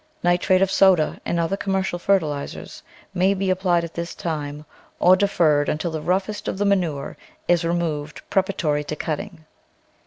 Nitrate of soda and other commercial fertilisers may be ap plied at this time or deferred until the roughest of the manure is removed preparatory to cutting.